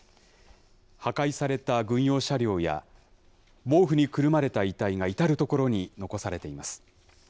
破壊された軍用車両や、毛布にくるまれた遺体が、至る所に残されています。